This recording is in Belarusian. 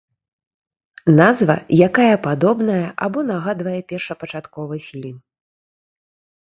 Назва, якая падобная або нагадвае першапачатковы фільм.